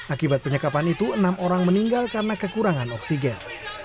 akibat penyekapan itu enam orang meninggal karena kekurangan oksigen